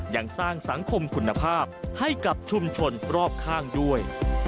ยังสร้างสังคมคุณภาพให้กับชุมชนรอบข้างด้วย